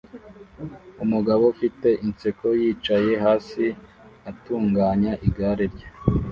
Umugabo ufite inseko yicaye hasi atunganya igare rye